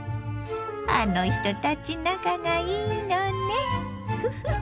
あの人たち仲がいいのねフフッ。